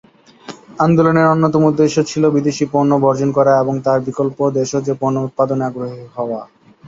আন্দোলনের অন্যতম উদ্দেশ্য ছিল বিদেশি পণ্য বর্জন করা এবং তার বিকল্প দেশজ পণ্য উৎপাদনে অগ্রণী হওয়া।